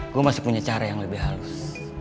gue masih punya cara yang lebih halus